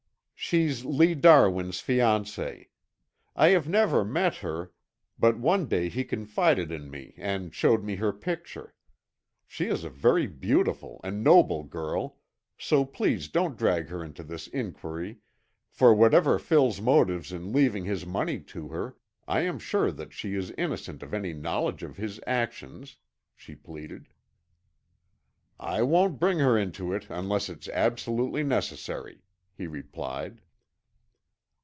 "She's Lee Darwin's fiancée. I have never met her, but one day he confided in me and showed me her picture. She is a very beautiful and noble girl, so please don't drag her into this inquiry, for whatever Phil's motives in leaving his money to her, I am sure that she is innocent of any knowledge of his actions," she pleaded. "I won't bring her into it unless it's absolutely necessary," he replied.